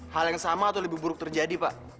hal yang sama atau lebih buruk terjadi pak